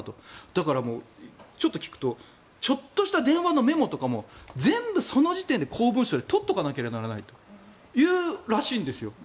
だからちょっと聞くとちょっとした電話のメモとかも全部その時点で公文書で取っておかなければならないらしいんですよ。